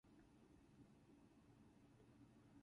The clusters of zooids are about apart.